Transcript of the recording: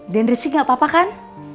den rizky gak apa apa kan